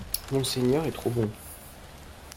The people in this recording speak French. Monseigneur est trop bon